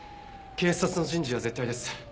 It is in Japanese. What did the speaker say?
警察の人事は絶対です。